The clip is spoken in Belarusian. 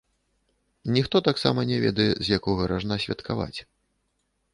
Ніхто таксама не ведае, з якога ражна святкаваць.